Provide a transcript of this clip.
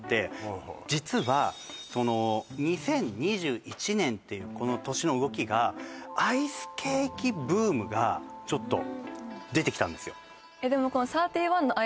それを実は２０２１年っていう年の動きがアイスケーキブームがちょっと出てきたんですよ